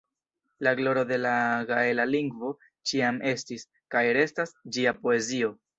La gloro de la gaela lingvo ĉiam estis, kaj restas, ĝia poezio.